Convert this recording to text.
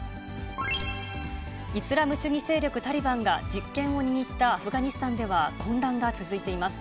イスラム主義勢力タリバンが、実権を握ったアフガニスタンでは、混乱が続いています。